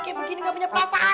kayak begini ga punya perasaannya